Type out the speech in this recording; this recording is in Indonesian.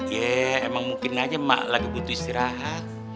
ya emang mungkin aja mak lagi butuh istirahat